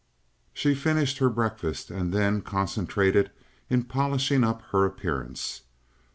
She finished her breakfast and then concentrated in polishing up her appearance.